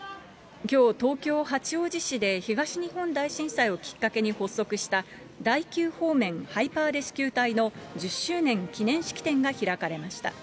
きょう、東京・八王子市で東日本大震災をきっかけに発足した第９方面ハイパーレスキュー隊の１０周年記念式典が開かれました。